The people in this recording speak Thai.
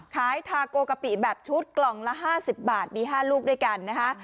ทาโกกะปิแบบชุดกล่องละ๕๐บาทมี๕ลูกด้วยกันนะคะ